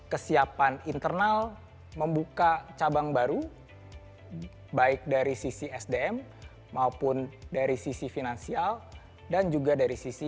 kesiapan internal membuka cabang baru baik dari sisi sdm maupun dari sisi finansial dan juga dari sisi